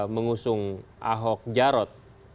mengusung ahok jarot